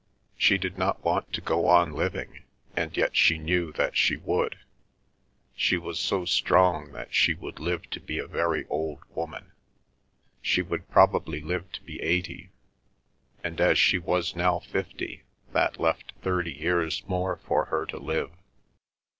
She did not want to go on living, and yet she knew that she would. She was so strong that she would live to be a very old woman. She would probably live to be eighty, and as she was now fifty, that left thirty years more for her to live.